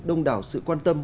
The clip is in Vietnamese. đông đảo sự quan tâm